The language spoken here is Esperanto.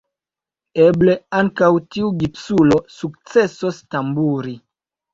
Eble, ankaŭ tiu gipsulo sukcesos tamburi.